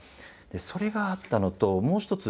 それがあったのともう一つ